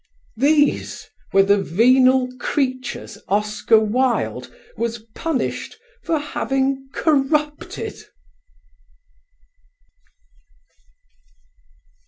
These were the venal creatures Oscar Wilde was punished for having corrupted!